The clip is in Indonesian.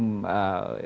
sebelum ada prosesnya ya